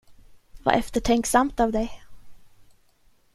Vad eftertänksamt av dig.